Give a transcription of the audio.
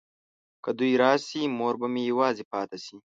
که دوی راشي مور به مې یوازې پاته شي.